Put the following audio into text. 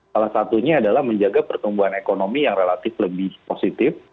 salah satunya adalah menjaga pertumbuhan ekonomi yang relatif lebih positif